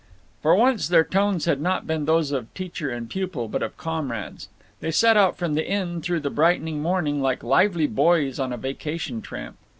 For once their tones had not been those of teacher and pupil, but of comrades. They set out from the inn through the brightening morning like lively boys on a vacation tramp.